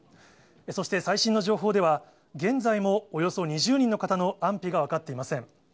そして、最新の情報では、現在もおよそ２０人の方の安否が分かっていません。